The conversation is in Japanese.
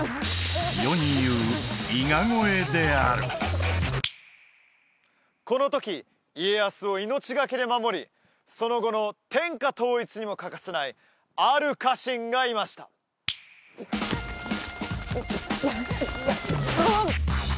世にいう伊賀越えであるこの時家康を命懸けで守りその後の天下統一にも欠かせないある家臣がいましたうわっ！